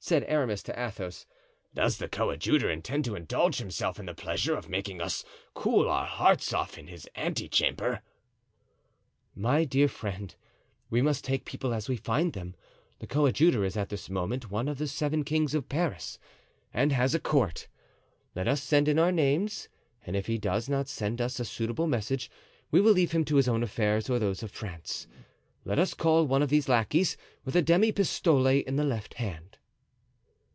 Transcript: said Aramis to Athos, "does the coadjutor intend to indulge himself in the pleasure of making us cool our hearts off in his ante chamber?" "My dear friend, we must take people as we find them. The coadjutor is at this moment one of the seven kings of Paris, and has a court. Let us send in our names, and if he does not send us a suitable message we will leave him to his own affairs or those of France. Let us call one of these lackeys, with a demi pistole in the left hand."